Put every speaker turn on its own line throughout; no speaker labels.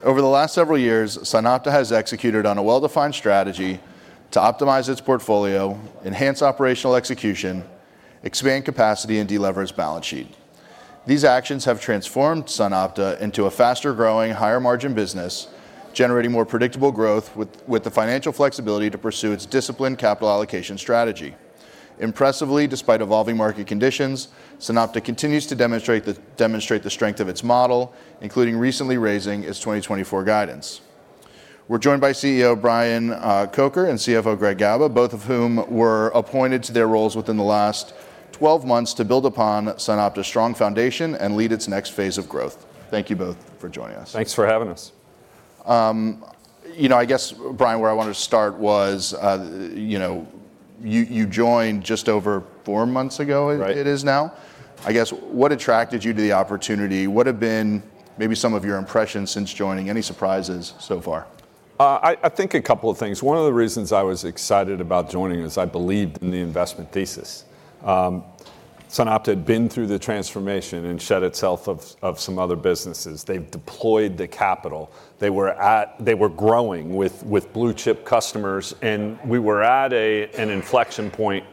Over the last several years, SunOpta has executed on a well-defined strategy to optimize its portfolio, enhance operational execution, expand capacity, and deleverage balance sheet. These actions have transformed SunOpta into a faster-growing, higher margin business, generating more predictable growth with the financial flexibility to pursue its disciplined capital allocation strategy. Impressively, despite evolving market conditions, SunOpta continues to demonstrate the strength of its model, including recently raising its 2024 guidance. We're joined by CEO Brian Kocher and CFO Greg Gaba, both of whom were appointed to their roles within the last 12 months to build upon SunOpta's strong foundation and lead its next phase of growth. Thank you both for joining us.
Thanks for having us.
You know, I guess, Brian, where I wanted to start was, you know, you joined just over four months ago-
Right...
it is now. I guess, what attracted you to the opportunity? What have been maybe some of your impressions since joining? Any surprises so far?
I think a couple of things. One of the reasons I was excited about joining is I believed in the investment thesis. SunOpta had been through the transformation and shed itself of some other businesses. They've deployed the capital. They were growing with blue-chip customers, and we were at an inflection point,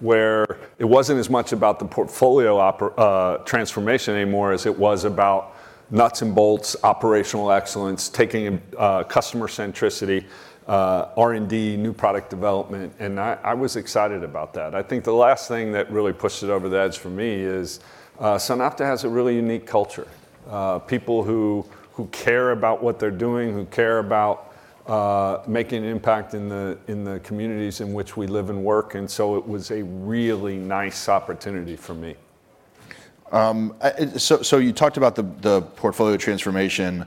where it wasn't as much about the portfolio transformation anymore, as it was about nuts and bolts, operational excellence, taking customer centricity, R&D, new product development, and I was excited about that. I think the last thing that really pushed it over the edge for me is SunOpta has a really unique culture. People who, who care about what they're doing, who care about making an impact in the communities in which we live and work, and so it was a really nice opportunity for me.
So, so you talked about the portfolio transformation.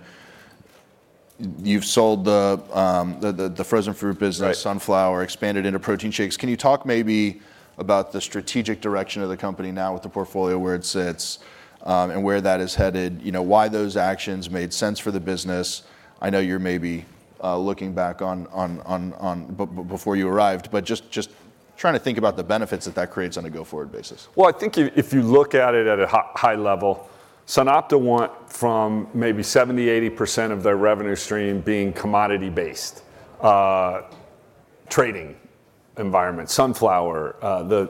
You've sold the frozen fruit business-
Right...
Sunflower, expanded into protein shakes. Can you talk maybe about the strategic direction of the company now with the portfolio, where it sits, and where that is headed? You know, why those actions made sense for the business? I know you're maybe looking back on before you arrived, but just trying to think about the benefits that that creates on a go-forward basis.
Well, I think if you look at it at a high level, SunOpta went from maybe 70%-80% of their revenue stream being commodity-based trading environment. Sunflower,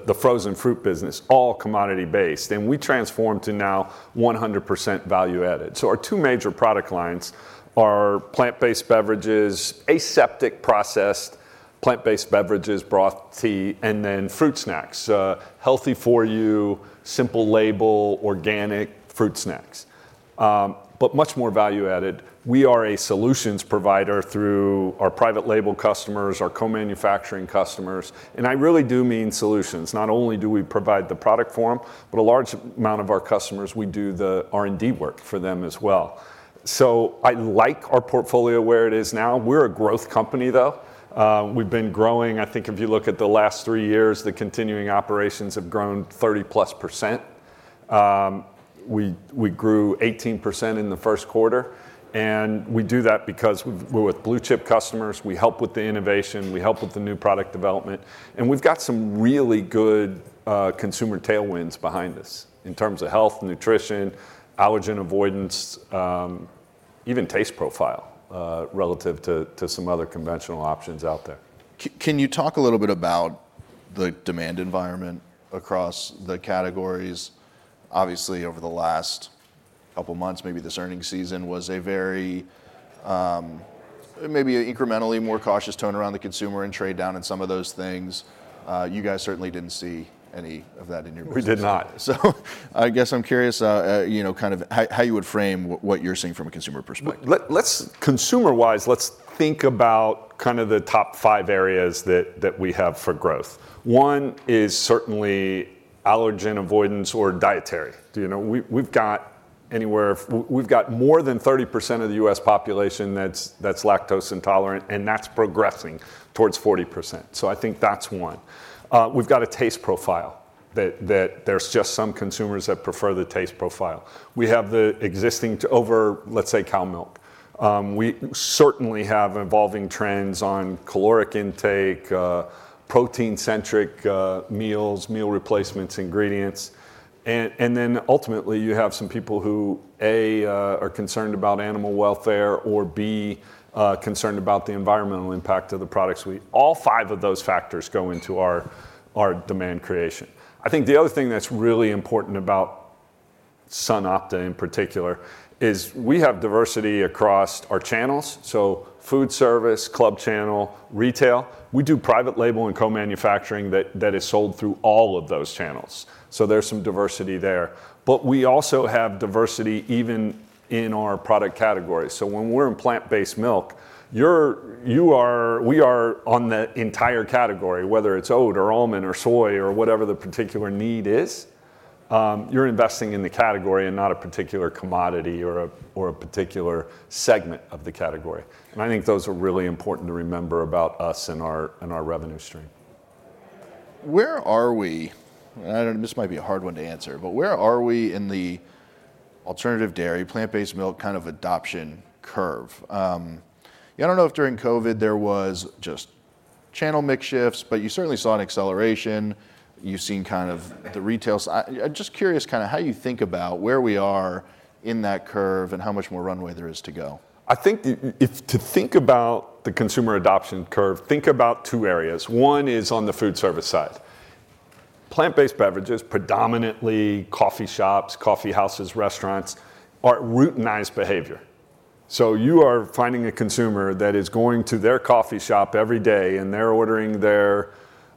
the frozen fruit business, all commodity-based, and we transformed to now 100% value-added. So our two major product lines are plant-based beverages, aseptic-processed plant-based beverages, broth, tea, and then fruit snacks. Healthy for you, simple label, organic fruit snacks. But much more value-added, we are a solutions provider through our private label customers, our co-manufacturing customers, and I really do mean solutions. Not only do we provide the product for them, but a large amount of our customers, we do the R&D work for them as well. So I like our portfolio where it is now. We're a growth company, though. We've been growing... I think if you look at the last three years, the continuing operations have grown 30%+. We grew 18% in the first quarter, and we do that because we're with blue-chip customers, we help with the innovation, we help with the new product development, and we've got some really good consumer tailwinds behind us in terms of health, nutrition, allergen avoidance, even taste profile, relative to some other conventional options out there.
Can you talk a little bit about the demand environment across the categories? Obviously, over the last couple of months, maybe this earnings season was a very, maybe an incrementally more cautious tone around the consumer and trade down in some of those things. You guys certainly didn't see any of that in your business.
We did not.
I guess I'm curious, you know, kind of how you would frame what you're seeing from a consumer perspective.
Let's, consumer-wise, let's think about kind of the top five areas that we have for growth. One is certainly allergen avoidance or dietary. You know, we've got anywhere... we've got more than 30% of the U.S. population that's lactose intolerant, and that's progressing towards 40%, so I think that's one. We've got a taste profile that there's just some consumers that prefer the taste profile. We have the existing to over, let's say, cow milk. We certainly have evolving trends on caloric intake, protein-centric meals, meal replacements, ingredients. And then ultimately, you have some people who, A, are concerned about animal welfare, or B, concerned about the environmental impact of the products we- all five of those factors go into our demand creation. I think the other thing that's really important about SunOpta in particular is we have diversity across our channels, so food service, club channel, retail. We do private label and co-manufacturing that is sold through all of those channels, so there's some diversity there. But we also have diversity even in our product categories. So when we're in plant-based milk, we are on the entire category, whether it's oat, or almond, or soy, or whatever the particular need is, you're investing in the category and not a particular commodity or a particular segment of the category. And I think those are really important to remember about us and our revenue stream.
Where are we, and this might be a hard one to answer, but where are we in the alternative dairy, plant-based milk kind of adoption curve? I don't know if during COVID there was channel mix shifts, but you certainly saw an acceleration. You've seen kind of the retail side. I'm just curious kind of how you think about where we are in that curve, and how much more runway there is to go?
I think if to think about the consumer adoption curve, think about two areas. One is on the food service side. Plant-based beverages, predominantly coffee shops, coffee houses, restaurants, are routinized behavior. So you are finding a consumer that is going to their coffee shop every day, and they're ordering their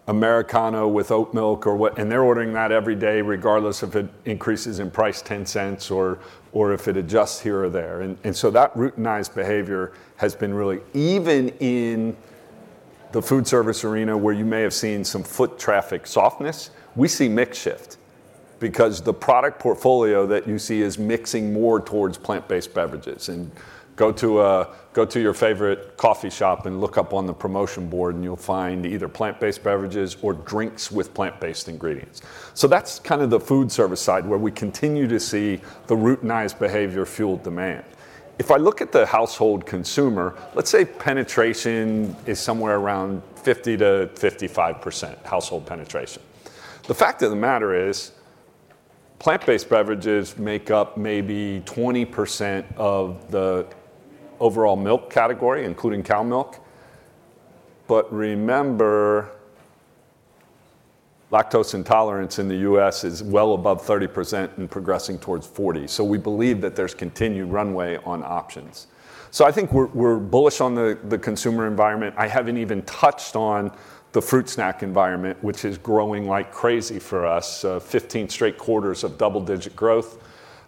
Americano with oat milk or. And they're ordering that every day, regardless if it increases in price $0.10 or if it adjusts here or there. And so that routinized behavior has been really... Even in the food service arena, where you may have seen some foot traffic softness, we see mix shift, because the product portfolio that you see is mixing more towards plant-based beverages. Go to your favorite coffee shop and look up on the promotion board, and you'll find either plant-based beverages or drinks with plant-based ingredients. So that's kind of the food service side, where we continue to see the routinized behavior fuel demand. If I look at the household consumer, let's say penetration is somewhere around 50%-55%, household penetration. The fact of the matter is, plant-based beverages make up maybe 20% of the overall milk category, including cow milk. But remember, lactose intolerance in the U.S. is well above 30% and progressing towards 40%. So we believe that there's continued runway on options. So I think we're, we're bullish on the, the consumer environment. I haven't even touched on the fruit snack environment, which is growing like crazy for us. 15 straight quarters of double-digit growth,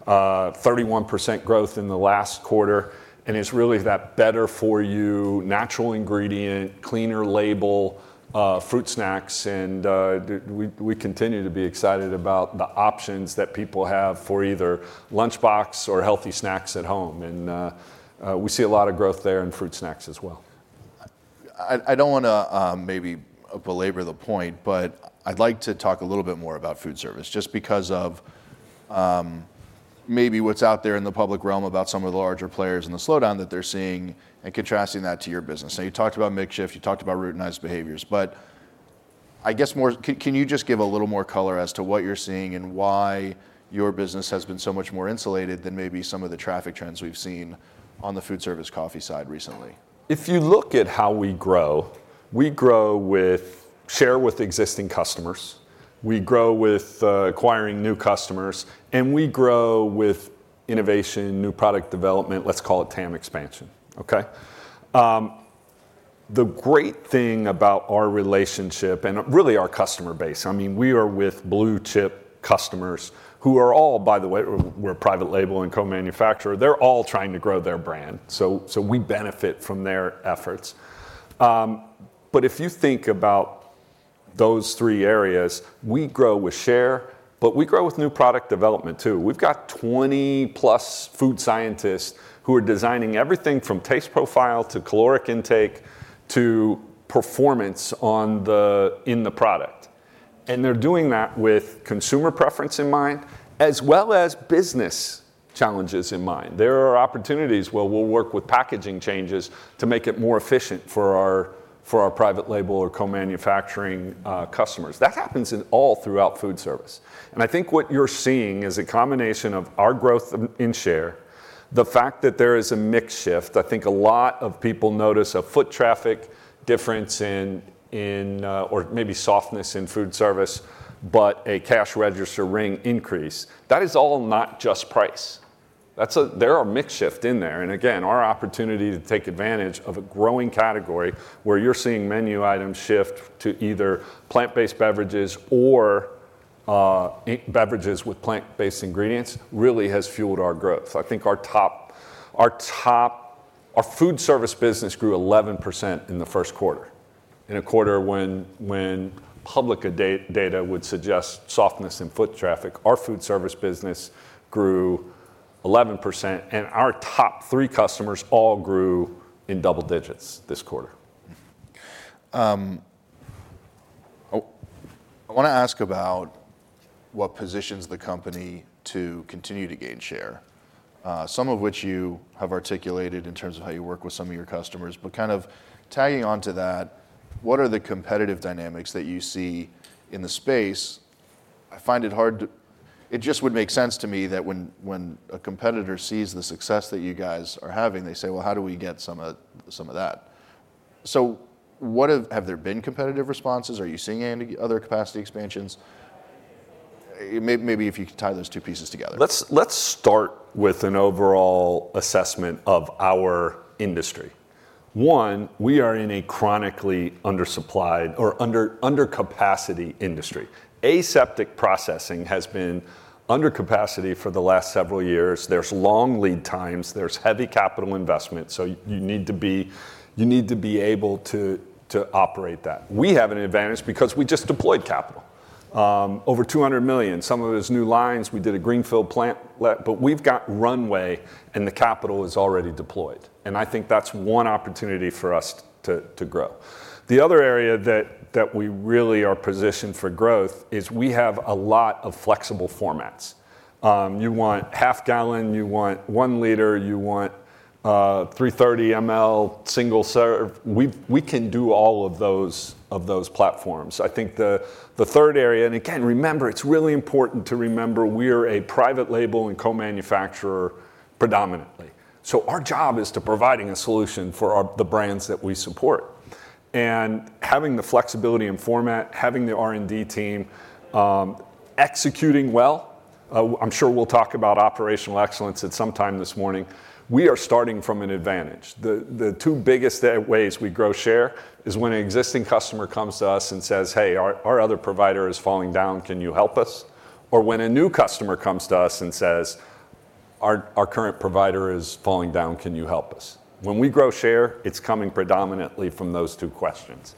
31% growth in the last quarter, and it's really that better for you, natural ingredient, cleaner label, fruit snacks. And we continue to be excited about the options that people have for either lunchbox or healthy snacks at home. And we see a lot of growth there in fruit snacks as well.
I don't wanna maybe belabor the point, but I'd like to talk a little bit more about food service, just because of maybe what's out there in the public realm about some of the larger players and the slowdown that they're seeing, and contrasting that to your business. Now, you talked about mix shift, you talked about routinized behaviors, but I guess more, can you just give a little more color as to what you're seeing, and why your business has been so much more insulated than maybe some of the traffic trends we've seen on the food service coffee side recently?
If you look at how we grow, we grow with share with existing customers, we grow with acquiring new customers, and we grow with innovation, new product development. Let's call it TAM expansion. The great thing about our relationship and really our customer base, I mean, we are with blue chip customers who are all, by the way, we're a private label and co-manufacturer. They're all trying to grow their brand, so, so we benefit from their efforts. But if you think about those three areas, we grow with share, but we grow with new product development, too. We've got 20+ food scientists who are designing everything from taste profile to caloric intake to performance in the product. They're doing that with consumer preference in mind, as well as business challenges in mind. There are opportunities where we'll work with packaging changes to make it more efficient for our, for our private label or co-manufacturing customers. That happens all throughout food service. I think what you're seeing is a combination of our growth in, in share, the fact that there is a mix shift. I think a lot of people notice a foot traffic difference in, in, or maybe softness in food service, but a cash register ring increase. That is all not just price. That's there are mix shift in there, and again, our opportunity to take advantage of a growing category where you're seeing menu items shift to either plant-based beverages or beverages with plant-based ingredients, really has fueled our growth. I think our food service business grew 11% in the first quarter. In a quarter when public data would suggest softness in foot traffic, our food service business grew 11%, and our top three customers all grew in double digits this quarter.
Oh, I wanna ask about what positions the company to continue to gain share, some of which you have articulated in terms of how you work with some of your customers. But kind of tagging onto that, what are the competitive dynamics that you see in the space? I find it hard, it just would make sense to me that when a competitor sees the success that you guys are having, they say: "Well, how do we get some of that?" So, have there been competitive responses? Are you seeing any other capacity expansions? Maybe if you could tie those two pieces together.
Let's start with an overall assessment of our industry. One, we are in a chronically undersupplied or under capacity industry. Aseptic processing has been under capacity for the last several years. There's long lead times, there's heavy capital investment, so you need to be able to operate that. We have an advantage because we just deployed capital over $200 million. Some of it is new lines. We did a greenfield plant, but we've got runway, and the capital is already deployed, and I think that's one opportunity for us to grow. The other area that we really are positioned for growth is we have a lot of flexible formats. You want half gallon, you want one liter, you want 330 ml single serve—we, we can do all of those platforms. I think the third area, and again, remember, it's really important to remember we're a private label and co-manufacturer predominantly. So our job is to providing a solution for the brands that we support. And having the flexibility and format, having the R&D team, executing well, I'm sure we'll talk about operational excellence at some time this morning. We are starting from an advantage. The two biggest ways we grow share is when an existing customer comes to us and says, "Hey, our other provider is falling down, can you help us?" Or when a new customer comes to us and says, "Our current provider is falling down, can you help us?" When we grow share, it's coming predominantly from those two questions.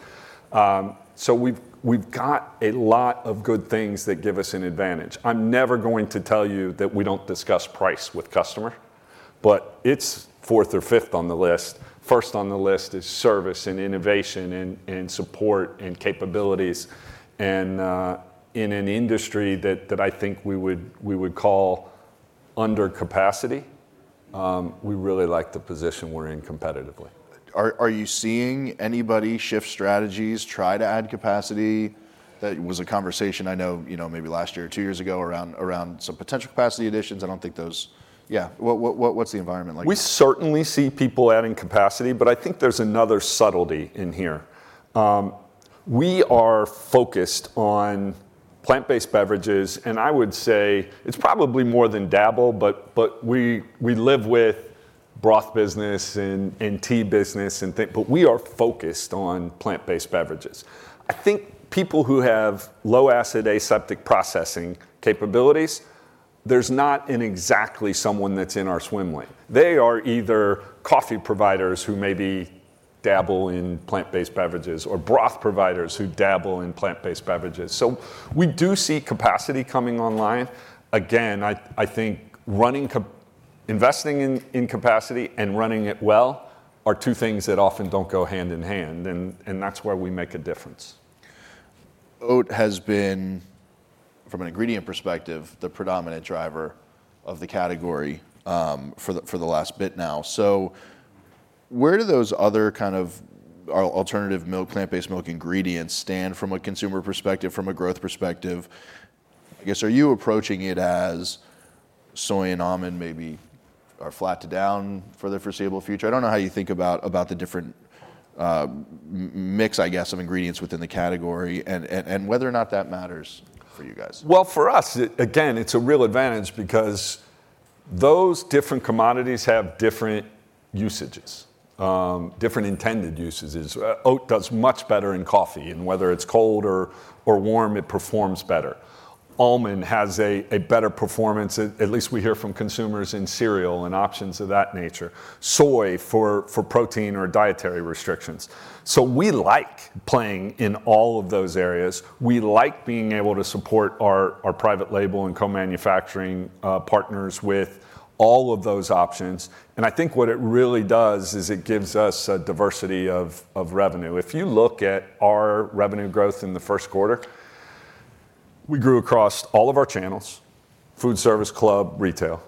So we've got a lot of good things that give us an advantage. I'm never going to tell you that we don't discuss price with customer, but it's fourth or fifth on the list. First on the list is service, and innovation, and support, and capabilities. And in an industry that I think we would call under capacity, we really like the position we're in competitively.
Are you seeing anybody shift strategies, try to add capacity? That was a conversation I know, you know, maybe last year or two years ago around some potential capacity additions. I don't think those... Yeah, what's the environment like?
We certainly see people adding capacity, but I think there's another subtlety in here. We are focused on plant-based beverages, and I would say it's probably more than dabble, but we live with broth business and tea business. But we are focused on plant-based beverages. I think people who have low acid aseptic processing capabilities, there's not exactly someone that's in our swim lane. They are either coffee providers who maybe dabble in plant-based beverages, or broth providers who dabble in plant-based beverages. So we do see capacity coming online. Again, I think investing in capacity and running it well are two things that often don't go hand in hand, and that's where we make a difference.
Oat has been, from an ingredient perspective, the predominant driver of the category for the last bit now. So where do those other kind of alternative milk, plant-based milk ingredients stand from a consumer perspective, from a growth perspective? I guess, are you approaching it as soy and almond maybe are flat to down for the foreseeable future? I don't know how you think about the different mix, I guess, of ingredients within the category, and whether or not that matters for you guys.
Well, for us, it again, it's a real advantage because those different commodities have different usages, different intended usages. Oat does much better in coffee, and whether it's cold or warm, it performs better. Almond has a better performance, at least we hear from consumers, in cereal and options of that nature. Soy, for protein or dietary restrictions. So we like playing in all of those areas. We like being able to support our private label and co-manufacturing partners with all of those options, and I think what it really does is it gives us a diversity of revenue. If you look at our revenue growth in the first quarter, we grew across all of our channels: food service, club, retail.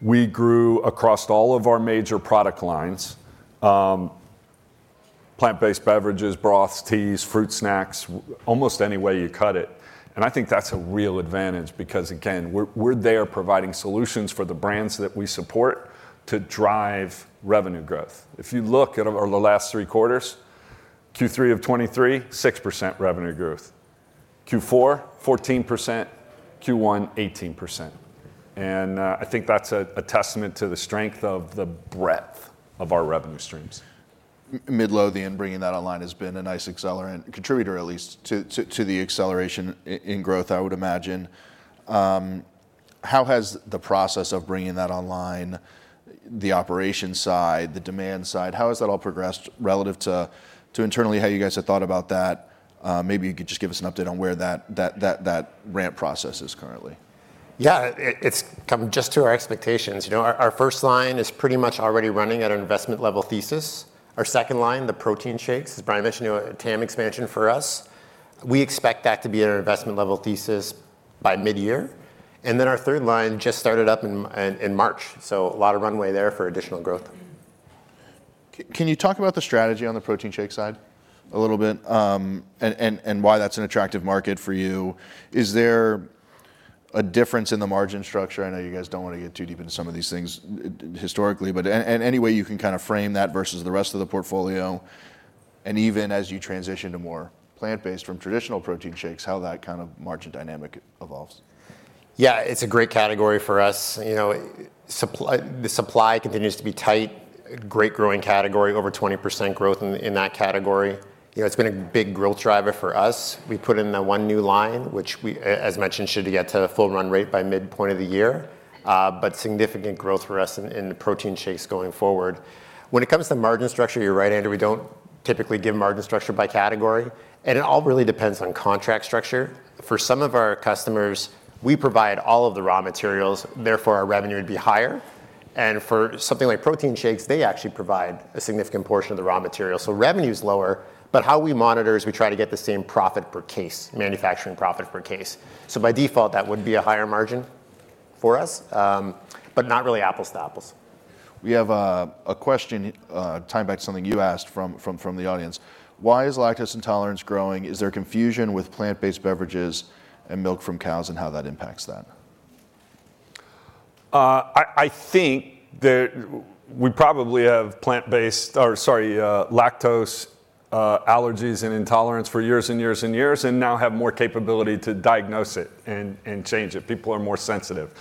We grew across all of our major product lines, plant-based beverages, broths, teas, fruit snacks, almost any way you cut it. And I think that's a real advantage because, again, we're, we're there providing solutions for the brands that we support to drive revenue growth. If you look at over the last three quarters, Q3 of 2023, 6% revenue growth, Q4, 14%, Q1, 18%. And I think that's a testament to the strength of the breadth of our revenue streams.
Midlo, in bringing that online has been a nice accelerant, contributor at least, to the acceleration in growth, I would imagine. How has the process of bringing that online, the operation side, the demand side, how has that all progressed relative to internally how you guys had thought about that? Maybe you could just give us an update on where that ramp process is currently.
Yeah, it's come just to our expectations. You know, our first line is pretty much already running at an investment level thesis. Our second line, the protein shakes, as Brian mentioned, you know, a TAM expansion for us, we expect that to be at an investment level thesis by mid-year. And then our third line just started up in March, so a lot of runway there for additional growth.
Can you talk about the strategy on the protein shake side a little bit, and why that's an attractive market for you? Is there a difference in the margin structure? I know you guys don't want to get too deep into some of these things historically, but any way you can kind of frame that versus the rest of the portfolio, and even as you transition to more plant-based from traditional protein shakes, how that kind of margin dynamic evolves?
Yeah, it's a great category for us. You know, the supply continues to be tight. Great growing category, over 20% growth in that category. You know, it's been a big growth driver for us. We put in the one new line, which we, as mentioned, should get to full run rate by mid-point of the year, but significant growth for us in the protein shakes going forward. When it comes to margin structure, you're right, Andrew, we don't typically give margin structure by category, and it all really depends on contract structure. For some of our customers, we provide all of the raw materials, therefore, our revenue would be higher. And for something like protein shakes, they actually provide a significant portion of the raw material, so revenue is lower. But how we monitor is we try to get the same profit per case, manufacturing profit per case. So by default, that would be a higher margin for us, but not really apples to apples....
We have a question tying back to something you asked from the audience: Why is lactose intolerance growing? Is there confusion with plant-based beverages and milk from cows, and how that impacts that?
I think that we probably have plant-based- or sorry, lactose, allergies and intolerance for years, and years, and years, and now have more capability to diagnose it and change it. People are more sensitive.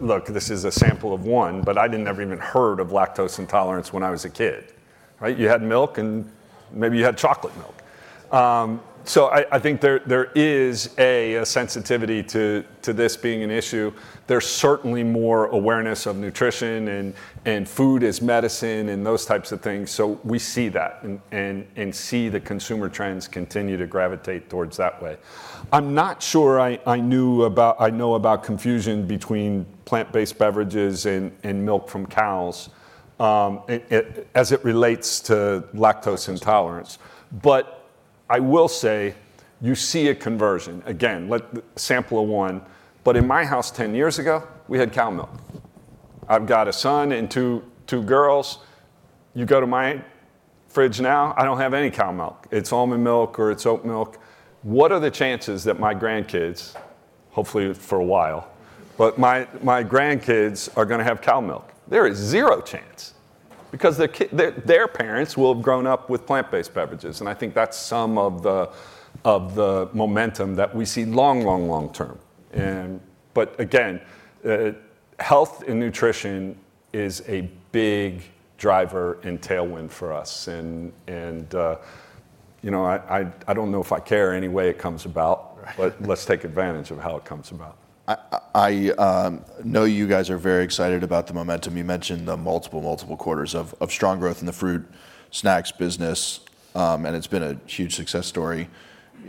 Look, this is a sample of one, but I didn't ever even heard of lactose intolerance when I was a kid, right? You had milk, and maybe you had chocolate milk. So I think there is a sensitivity to this being an issue. There's certainly more awareness of nutrition and food as medicine, and those types of things, so we see that and see the consumer trends continue to gravitate towards that way. I'm not sure I knew about—I know about confusion between plant-based beverages and milk from cows, as it relates to lactose intolerance, but I will say you see a conversion. Again, sample of one, but in my house, 10 years ago, we had cow milk. I've got a son and two girls. You go to my fridge now, I don't have any cow milk. It's almond milk or it's oat milk. What are the chances that my grandkids, hopefully for a while, but my grandkids are gonna have cow milk? There is zero chance, because their parents will have grown up with plant-based beverages, and I think that's some of the momentum that we see long, long, long term. But again, health and nutrition is a big driver and tailwind for us, and you know, I, I, I don't know if I care any way it comes about-
Right....
but let's take advantage of how it comes about.
I know you guys are very excited about the momentum. You mentioned the multiple quarters of strong growth in the fruit snacks business, and it's been a huge success story.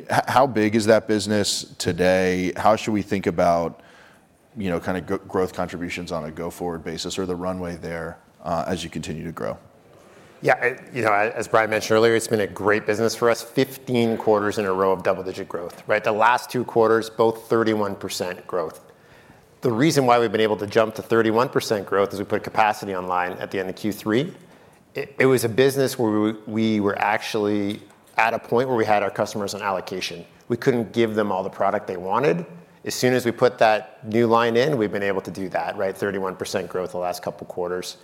How big is that business today? How should we think about, you know, kind of growth contributions on a go-forward basis or the runway there, as you continue to grow?
Yeah, you know, as Brian mentioned earlier, it's been a great business for us, 15 quarters in a row of double-digit growth, right? The last two quarters, both 31% growth. The reason why we've been able to jump to 31% growth is we put capacity online at the end of Q3. It was a business where we were actually at a point where we had our customers on allocation. We couldn't give them all the product they wanted. As soon as we put that new line in, we've been able to do that, right? 31% growth the last couple quarters.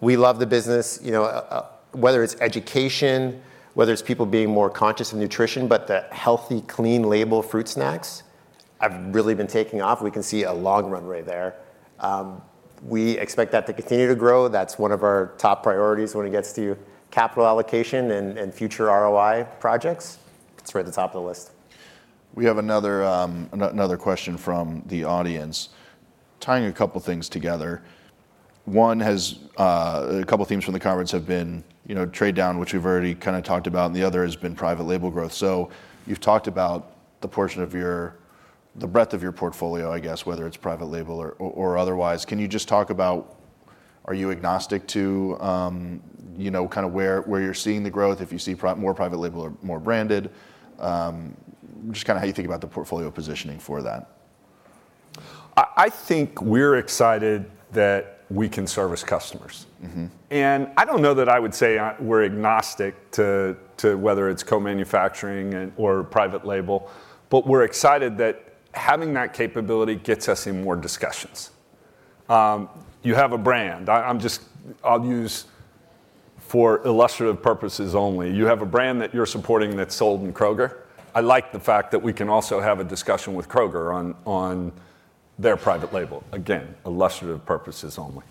We love the business, you know, whether it's education, whether it's people being more conscious in nutrition, but the healthy, clean label fruit snacks have really been taking off. We can see a long runway there. We expect that to continue to grow. That's one of our top priorities when it gets to capital allocation and future ROI projects. It's right at the top of the list.
We have another question from the audience, tying a couple things together. One has a couple themes from the conference have been, you know, trade down, which we've already kind of talked about, and the other has been private label growth. So you've talked about the portion of your the breadth of your portfolio, I guess, whether it's private label or, or otherwise. Can you just talk about are you agnostic to, you know, kind of where, where you're seeing the growth, if you see more private label or more branded? Just kind of how you think about the portfolio positioning for that.
I think we're excited that we can service customers. I don't know that I would say, we're agnostic to, to whether it's co-manufacturing and/or private label, but we're excited that having that capability gets us in more discussions. You have a brand, I, I'm just- I'll use for illustrative purposes only, you have a brand that you're supporting that's sold in Kroger. I like the fact that we can also have a discussion with Kroger on, on their private label. Again, illustrative purposes only.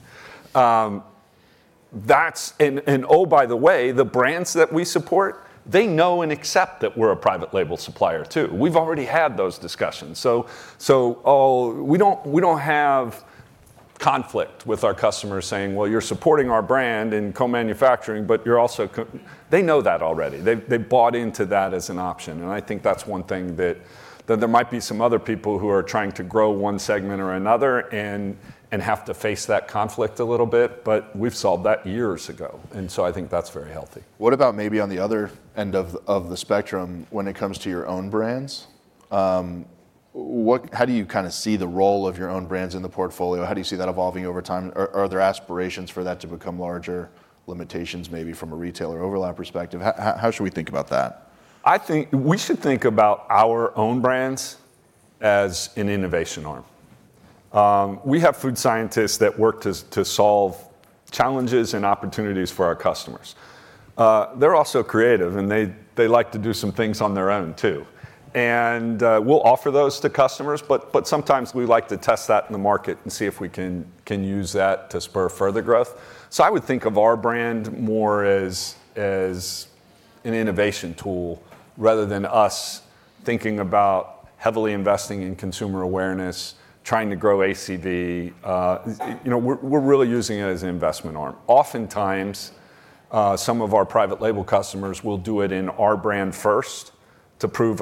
That's and, and oh, by the way, the brands that we support, they know and accept that we're a private label supplier, too. We've already had those discussions. So, so oh, we don't, we don't have conflict with our customers saying, "Well, you're supporting our brand in co-manufacturing, but you're also co-" They know that already. They've-... they bought into that as an option, and I think that's one thing that there might be some other people who are trying to grow one segment or another and have to face that conflict a little bit, but we've solved that years ago, and so I think that's very healthy.
What about maybe on the other end of the spectrum when it comes to your own brands? How do you kind of see the role of your own brands in the portfolio? How do you see that evolving over time? Are there aspirations for that to become larger, limitations maybe from a retailer overlap perspective? How should we think about that?
I think we should think about our own brands as an innovation arm. We have food scientists that work to solve challenges and opportunities for our customers. They're also creative, and they like to do some things on their own, too. We'll offer those to customers, but sometimes we like to test that in the market and see if we can use that to spur further growth. So I would think of our brand more as an innovation tool, rather than us thinking about heavily investing in consumer awareness, trying to grow ACV. You know, we're really using it as an investment arm. Oftentimes, some of our private label customers will do it in our brand first to prove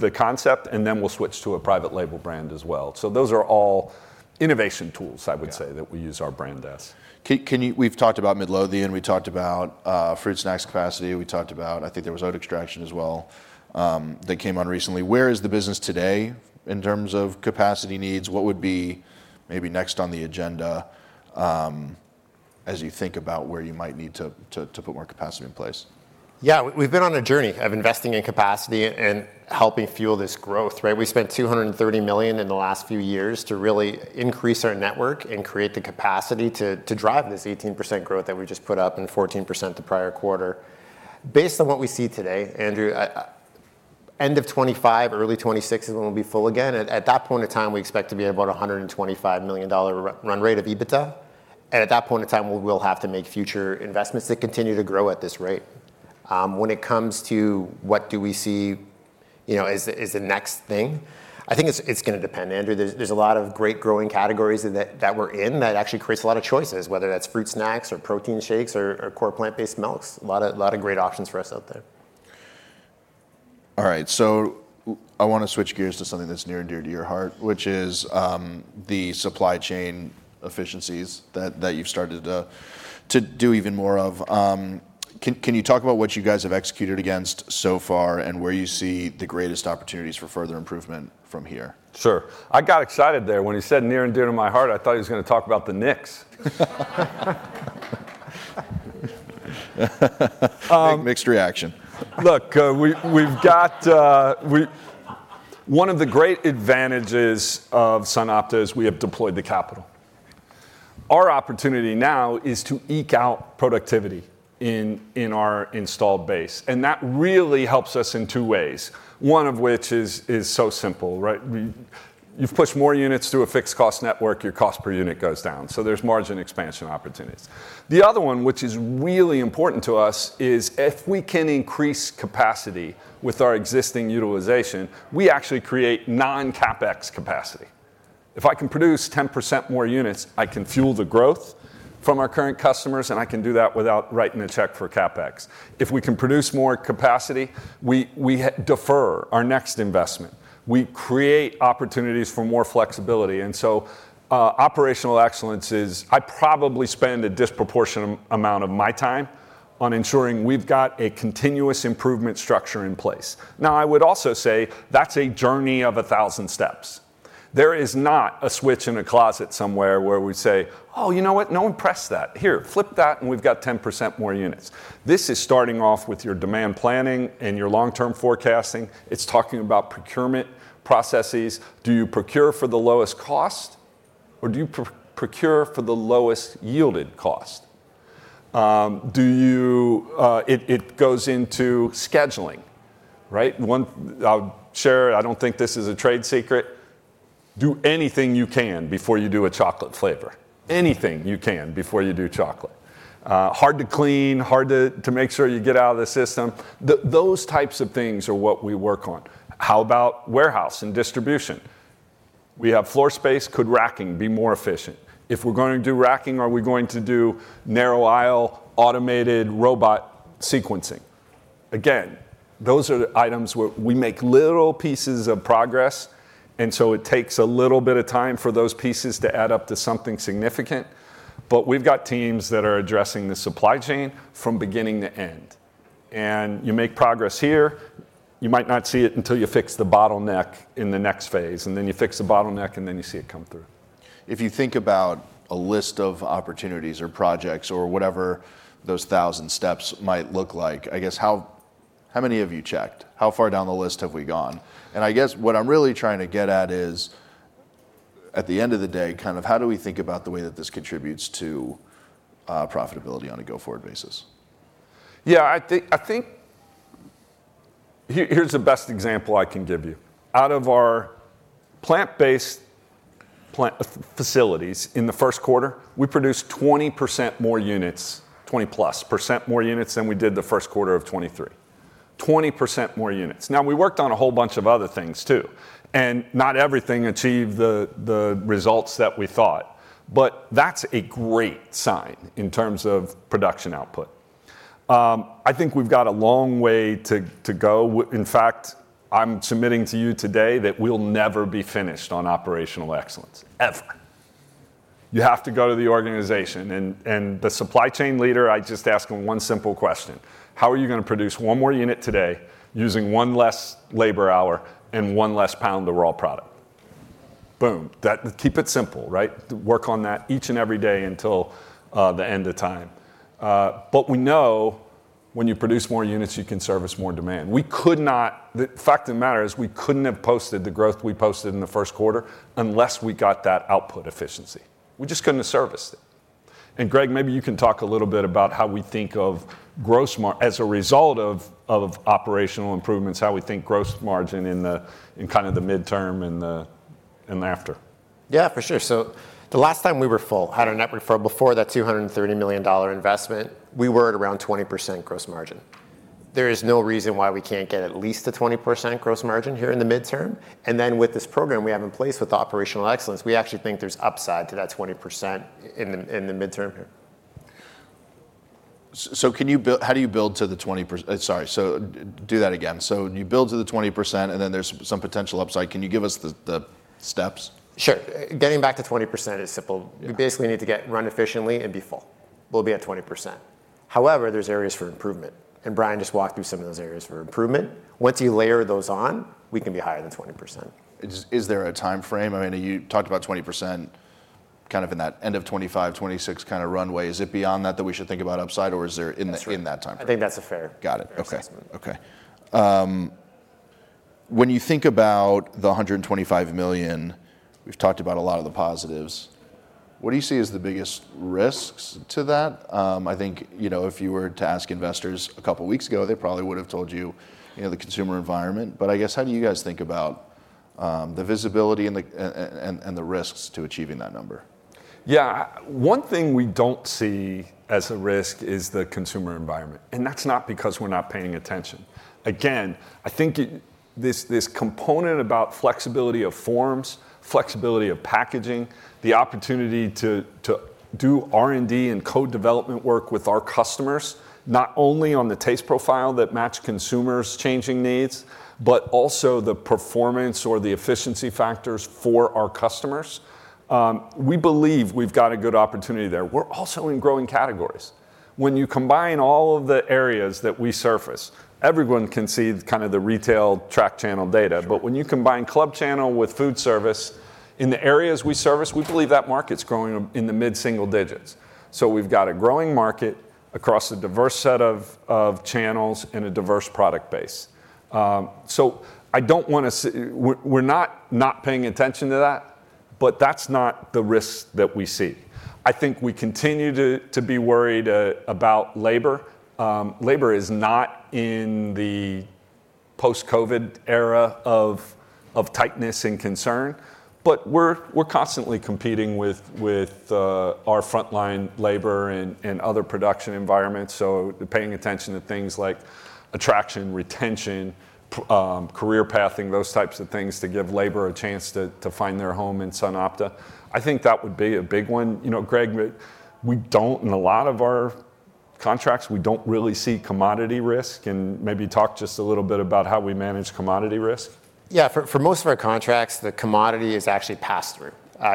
the concept, and then we'll switch to a private label brand as well. Those are all innovation tools-
Yeah...
I would say that we use our brand as.
Can you—we've talked about Midlothian, we talked about fruit snacks capacity, we talked about I think there was oat extraction as well, that came on recently. Where is the business today in terms of capacity needs? What would be maybe next on the agenda, as you think about where you might need to, to, to put more capacity in place?
Yeah, we've been on a journey of investing in capacity and helping fuel this growth, right? We spent $230 million in the last few years to really increase our network and create the capacity to drive this 18% growth that we just put up, and 14% the prior quarter. Based on what we see today, Andrew, end of 2025, early 2026 is when we'll be full again. At that point in time, we expect to be at about a $125 million run rate of EBITDA, and at that point in time, we will have to make future investments that continue to grow at this rate. When it comes to what do we see, you know, as the, as the next thing? I think it's, it's gonna depend, Andrew. There's a lot of great growing categories that we're in that actually creates a lot of choices, whether that's fruit snacks, or protein shakes, or core plant-based milks. A lot of great options for us out there.
All right, so I want to switch gears to something that's near and dear to your heart, which is, the supply chain efficiencies that you've started to do even more of. Can you talk about what you guys have executed against so far, and where you see the greatest opportunities for further improvement from here?
Sure. I got excited there when he said, "Near and dear to my heart." I thought he was gonna talk about the Knicks.
Mixed reaction.
Look, we've got, we... One of the great advantages of SunOpta is we have deployed the capital. Our opportunity now is to eke out productivity in our installed base, and that really helps us in two ways. One of which is so simple, right? You've pushed more units through a fixed cost network, your cost per unit goes down, so there's margin expansion opportunities. The other one, which is really important to us, is if we can increase capacity with our existing utilization, we actually create non-CapEx capacity. If I can produce 10% more units, I can fuel the growth from our current customers, and I can do that without writing a check for CapEx. If we can produce more capacity, we defer our next investment. We create opportunities for more flexibility. And so, operational excellence is... I probably spend a disproportionate amount of my time on ensuring we've got a continuous improvement structure in place. Now, I would also say that's a journey of a thousand steps. There is not a switch in a closet somewhere where we say, "Oh, you know what? No one pressed that. Here, flip that, and we've got 10% more units." This is starting off with your demand planning and your long-term forecasting. It's talking about procurement processes. Do you procure for the lowest cost, or do you procure for the lowest yielded cost? It goes into scheduling, right? One, I'll share, I don't think this is a trade secret. Do anything you can before you do a chocolate flavor. Anything you can before you do chocolate. Hard to clean, hard to make sure you get out of the system. Those types of things are what we work on. How about warehouse and distribution? We have floor space, could racking be more efficient? If we're going to do racking, are we going to do narrow aisle, automated robot sequencing? Again, those are the items where we make little pieces of progress, and so it takes a little bit of time for those pieces to add up to something significant. But we've got teams that are addressing the supply chain from beginning to end, and you make progress here, you might not see it until you fix the bottleneck in the next phase, and then you fix the bottleneck, and then you see it come through.
If you think about a list of opportunities, or projects, or whatever those thousand steps might look like, I guess, how, how many have you checked? How far down the list have we gone? And I guess what I'm really trying to get at is, at the end of the day, kind of how do we think about the way that this contributes to profitability on a go-forward basis?
Yeah, I think, I think... Here, here's the best example I can give you. Out of our plant-based facilities, in the first quarter, we produced 20% more units, 20%+ more units than we did the first quarter of 2023. 20% more units. Now, we worked on a whole bunch of other things, too, and not everything achieved the results that we thought, but that's a great sign in terms of production output. I think we've got a long way to go. In fact, I'm submitting to you today that we'll never be finished on operational excellence, ever. You have to go to the organization, and the supply chain leader. I just ask him one simple question: "How are you gonna produce one more unit today using one less labor hour and one less pound of raw product?" Boom, that, keep it simple, right? Work on that each and every day until the end of time. But we know when you produce more units, you can service more demand. We could not—the fact of the matter is, we couldn't have posted the growth we posted in the first quarter unless we got that output efficiency. We just couldn't have serviced it. And Greg, maybe you can talk a little bit about how we think of gross margin as a result of operational improvements, how we think gross margin in the midterm and after.
Yeah, for sure. So the last time we were full, had a net profit before that $230 million investment, we were at around 20% gross margin. There is no reason why we can't get at least a 20% gross margin here in the midterm, and then with this program we have in place with the operational excellence, we actually think there's upside to that 20% in the, in the midterm here.
So can you build... How do you build to the 20%? Sorry, so do that again. So you build to the 20%, and then there's some potential upside. Can you give us the, the steps?
Sure. Getting back to 20% is simple.
Yeah.
We basically need to get run efficiently and be full. We'll be at 20%... However, there's areas for improvement, and Brian just walked through some of those areas for improvement. Once you layer those on, we can be higher than 20%.
Is there a time frame? I mean, you talked about 20% kind of in that end of 2025, 2026 kind of runway. Is it beyond that, that we should think about upside, or is there-
That's right...
in that time frame?
I think that's a fair-
Got it.
Fair assessment.
Okay. Okay. When you think about the $125 million, we've talked about a lot of the positives. What do you see as the biggest risks to that? I think, you know, if you were to ask investors a couple of weeks ago, they probably would have told you, you know, the consumer environment. But I guess, how do you guys think about the visibility and the risks to achieving that number?
Yeah. One thing we don't see as a risk is the consumer environment, and that's not because we're not paying attention. Again, I think this component about flexibility of forms, flexibility of packaging, the opportunity to do R&D and co-development work with our customers, not only on the taste profile that match consumers' changing needs, but also the performance or the efficiency factors for our customers. We believe we've got a good opportunity there. We're also in growing categories. When you combine all of the areas that we surface, everyone can see kind of the retail track channel data.
Sure.
But when you combine club channel with food service, in the areas we service, we believe that market's growing in the mid-single digits. So we've got a growing market across a diverse set of channels and a diverse product base. So I don't wanna. We're not paying attention to that, but that's not the risk that we see. I think we continue to be worried about labor. Labor is not in the post-COVID era of tightness and concern, but we're constantly competing with our frontline labor and other production environments. So we're paying attention to things like attraction, retention, career pathing, those types of things to give labor a chance to find their home in SunOpta. I think that would be a big one. You know, Greg, we don't... In a lot of our contracts, we don't really see commodity risk, and maybe talk just a little bit about how we manage commodity risk.
Yeah. For most of our contracts, the commodity is actually pass-through.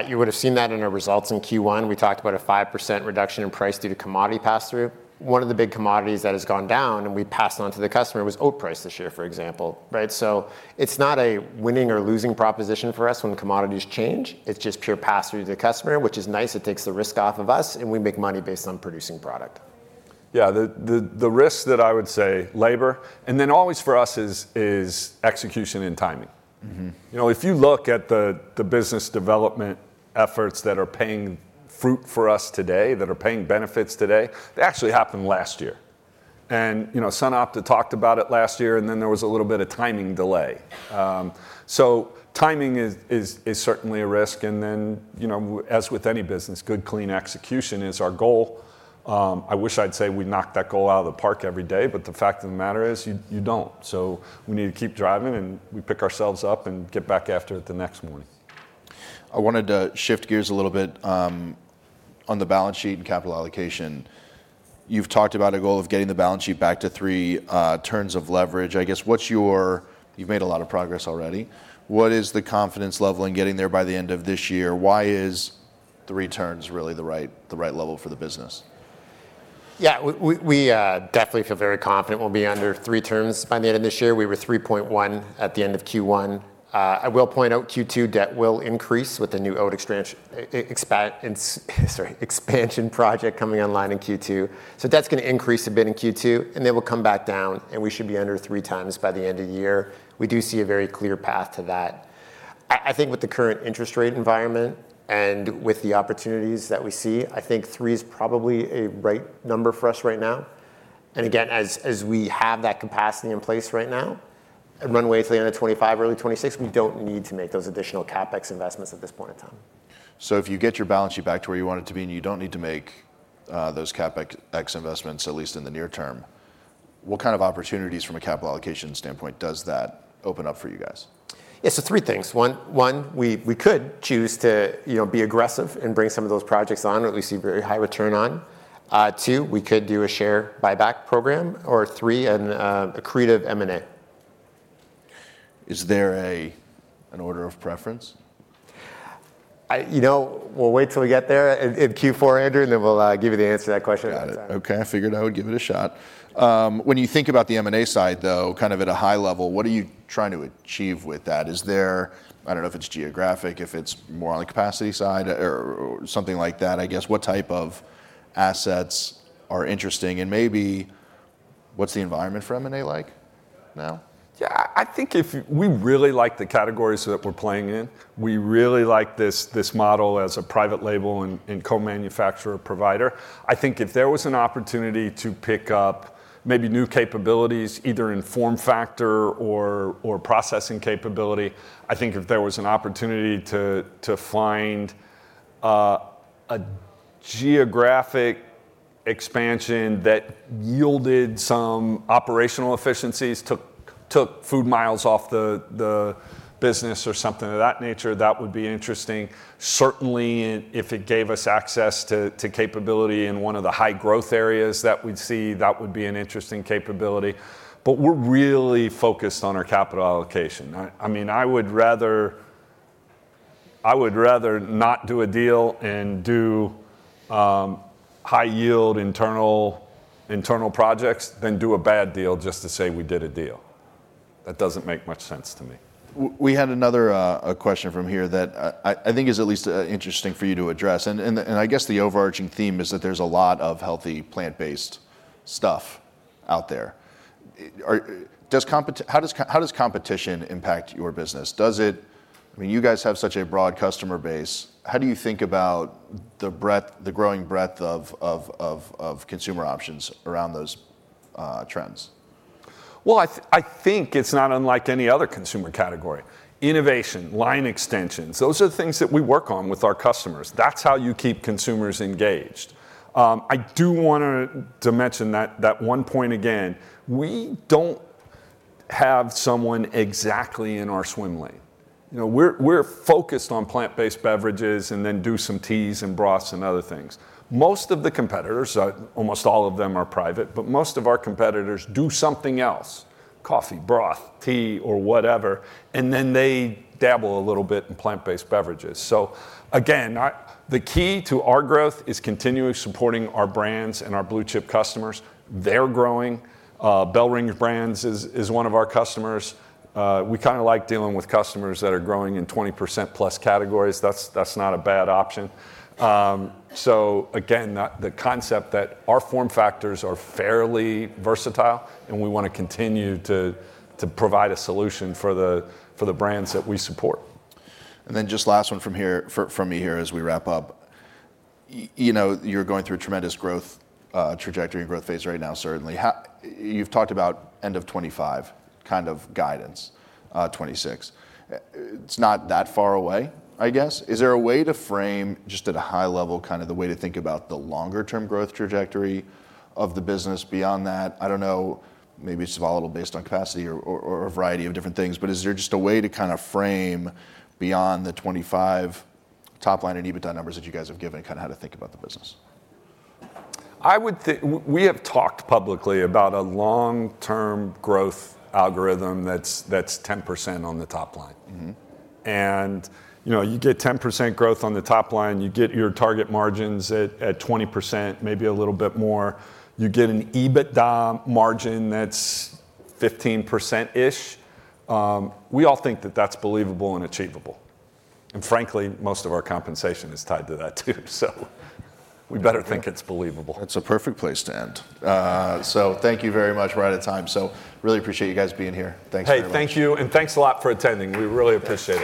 You would have seen that in our results in Q1. We talked about a 5% reduction in price due to commodity pass-through. One of the big commodities that has gone down, and we passed on to the customer, was oat price this year, for example, right? So it's not a winning or losing proposition for us when the commodities change. It's just pure pass-through to the customer, which is nice. It takes the risk off of us, and we make money based on producing product.
Yeah, the risk that I would say is labor, and then always for us is execution and timing. You know, if you look at the business development efforts that are bearing fruit for us today, that are paying benefits today, they actually happened last year. You know, SunOpta talked about it last year, and then there was a little bit of timing delay. So timing is certainly a risk, and then, you know, as with any business, good, clean execution is our goal. I wish I'd say we knock that goal out of the park every day, but the fact of the matter is, you don't. So we need to keep driving, and we pick ourselves up and get back after it the next morning.
I wanted to shift gears a little bit, on the balance sheet and capital allocation. You've talked about a goal of getting the balance sheet back to three, turns of leverage. I guess what's your... You've made a lot of progress already. What is the confidence level in getting there by the end of this year? Why is three turns really the right, the right level for the business?
Yeah, we definitely feel very confident we'll be under three turns by the end of this year. We were 3.1 at the end of Q1. I will point out, Q2 debt will increase with the new oat expansion project coming online in Q2. So that's gonna increase a bit in Q2, and then we'll come back down, and we should be under 3 times by the end of the year. We do see a very clear path to that. I think with the current interest rate environment and with the opportunities that we see, I think three is probably a right number for us right now.
Yeah.
And again, as we have that capacity in place right now, and runway to the end of 2025, early 2026, we don't need to make those additional CapEx investments at this point in time.
So if you get your balance sheet back to where you want it to be, and you don't need to make those CapEx investments, at least in the near term, what kind of opportunities from a capital allocation standpoint does that open up for you guys?
Yeah, so three things. One, we could choose to, you know, be aggressive and bring some of those projects on, or at least see very high return on. Two, we could do a share buyback program, or three, accretive M&A.
Is there an order of preference?
You know, we'll wait till we get there in Q4, Andrew, and then we'll give you the answer to that question at the time.
Got it. Okay, I figured I would give it a shot. When you think about the M&A side, though, kind of at a high level, what are you trying to achieve with that? Is there... I don't know if it's geographic, if it's more on the capacity side or something like that, I guess. What type of assets are interesting, and maybe what's the environment for M&A like now?
Yeah, I think if we really like the categories that we're playing in, we really like this model as a private label and co-manufacturer provider. I think if there was an opportunity to pick up maybe new capabilities, either in form factor or processing capability, I think if there was an opportunity to find a geographic expansion that yielded some operational efficiencies, took food miles off the business or something of that nature, that would be interesting. Certainly, if it gave us access to capability in one of the high growth areas that we'd see, that would be an interesting capability. But we're really focused on our capital allocation. I mean, I would rather-... I would rather not do a deal and do high yield internal projects, than do a bad deal just to say we did a deal. That doesn't make much sense to me.
We had another a question from here that I think is at least interesting for you to address, and I guess the overarching theme is that there's a lot of healthy plant-based stuff out there. How does competition impact your business? Does it... I mean, you guys have such a broad customer base, how do you think about the breadth, the growing breadth of consumer options around those trends?
Well, I think it's not unlike any other consumer category. Innovation, line extensions, those are the things that we work on with our customers. That's how you keep consumers engaged. I do want to mention that one point again, we don't have someone exactly in our swim lane. You know, we're focused on plant-based beverages, and then do some teas, and broths, and other things. Most of the competitors, almost all of them are private, but most of our competitors do something else, coffee, broth, tea, or whatever, and then they dabble a little bit in plant-based beverages. So again, the key to our growth is continually supporting our brands and our blue chip customers. They're growing. BellRing Brands is one of our customers. We kinda like dealing with customers that are growing in 20%+ categories. That's not a bad option. So again, the concept that our form factors are fairly versatile, and we want to continue to provide a solution for the brands that we support.
And then just last one from here, from me here as we wrap up. You know, you're going through a tremendous growth trajectory and growth phase right now, certainly. How... You've talked about end of 2025 kind of guidance, 2026. It's not that far away, I guess. Is there a way to frame, just at a high level, kind of the way to think about the longer term growth trajectory of the business beyond that? I don't know, maybe it's volatile based on capacity or, or a variety of different things, but is there just a way to kind of frame beyond the 2025 top line and EBITDA numbers that you guys have given, kind of how to think about the business?
I would think... we have talked publicly about a long-term growth algorithm that's 10% on the top line.
Mm-hmm.
You know, you get 10% growth on the top line, you get your target margins at, at 20%, maybe a little bit more. You get an EBITDA margin that's 15%ish. We all think that that's believable and achievable, and frankly, most of our compensation is tied to that, too, so we better think it's believable.
It's a perfect place to end. So thank you very much. We're out of time, so really appreciate you guys being here. Thanks very much.
Hey, thank you, and thanks a lot for attending. We really appreciate it.